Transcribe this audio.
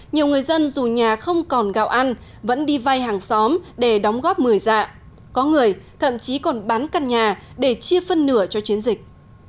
nhiều người dân dù nhà không còn gạo ăn vẫn đi vay hàng xóm để đóng góp một mươi dạ có người thậm chí còn bán căn nhà để chia phân nửa cho chiến dịch